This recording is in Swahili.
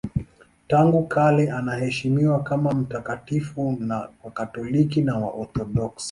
Tangu kale anaheshimiwa kama mtakatifu na Wakatoliki na Waorthodoksi.